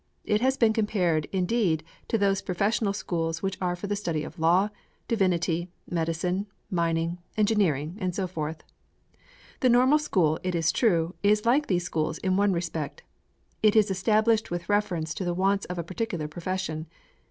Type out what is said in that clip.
It has been compared indeed to those professional schools which are for the study of law, divinity, medicine, mining, engineering, and so forth. The Normal School, it is true, is like these schools in one respect. It is established with reference to the wants of a particular profession.